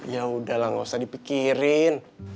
yaudahlah nggak usah dipikirin